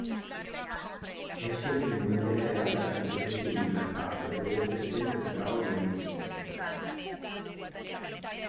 E’ scegliere di mantenere alta la competenza ed il mercato, devo essere sempre più bravo dei miei competitor.